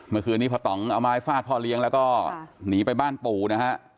เมื่อคืนนี้พ่อต่องเอาไม้ฟาดพ่อเลี้ยงแล้วก็หนีไปบ้านปู่นะฮะ